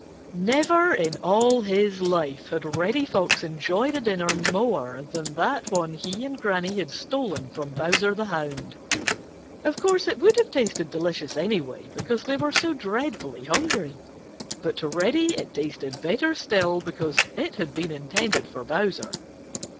—Old Granny Fox. Never in all his life had Reddy Fox enjoyed a dinner more than that one he and Granny had stolen from Bowser the Hound. Of course it would have tasted delicious anyway, because they were so dreadfully hungry, but to Reddy it tasted better still because it had been intended for Bowser.